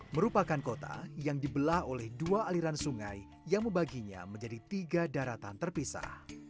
merupakan kota yang dibelah oleh dua aliran sungai yang membaginya menjadi tiga daratan terpisah